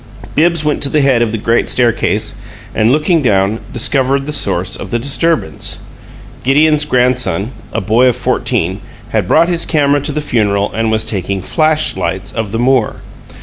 Bibbs went to the head of the great staircase, and, looking down, discovered the source of the disturbance. Gideon's grandson, a boy of fourteen, had brought his camera to the funeral and was taking "flash lights" of the Moor.